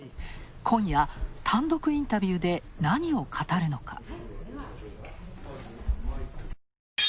今夜単独インタビューで何を語るのか。